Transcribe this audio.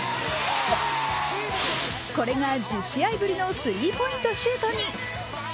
これが１０試合ぶりのスリーポイントシュートに。